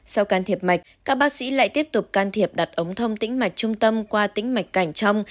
sau can thiệp mạch các bác sĩ lại tiếp tục can thiệp đặt ống thông tĩnh mạch trung tâm qua tĩnh mạch cảnh trong